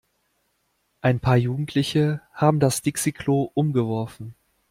Ein paar Jugendliche haben das Dixi-Klo umgeworfen.